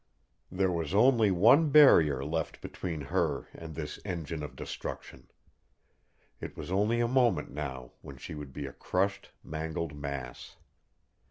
There was only one barrier left between her and this engine of destruction. It was only a moment now when she would be a crushed, mangled mass.